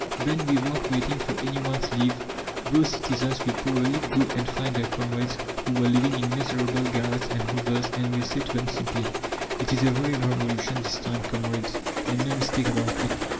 Then, without waiting for anyone's leave, those citizens will probably go and find their comrades who were living in miserable garrets and hovels and will say to them simply: "It is a real Revolution this time, comrades, and no mistake about it.